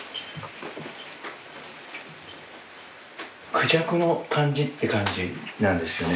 クジャクの感じって感じなんですよね。